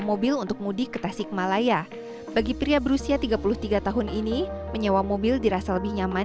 mobil untuk mudik ke tasikmalaya bagi pria berusia tiga puluh tiga tahun ini menyewa mobil dirasa lebih nyaman